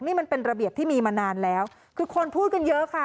นี่มันเป็นระเบียบที่มีมานานแล้วคือคนพูดกันเยอะค่ะ